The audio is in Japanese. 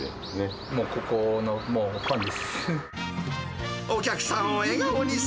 もうここのファンです。